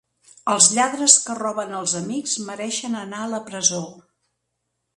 Els lladres que roben als amics mereixen anar a la presó.